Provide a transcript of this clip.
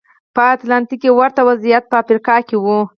په اتلانتیک کې ورته وضعیت په افریقا کې و.